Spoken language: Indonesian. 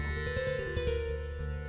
aku itu budakmu